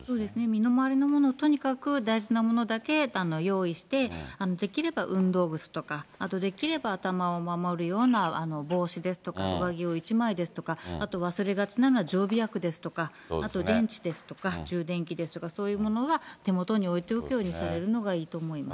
身の回りのものをとにかく大事なものだけ用意して、できれば運動靴とか、あとできれば頭を守るような帽子ですとか、上着を１枚ですとか、あと忘れがちなのは常備薬ですとか、あと電池ですとか、充電器ですとか、そういうものは手元に置いておくようにされるのがいいと思います。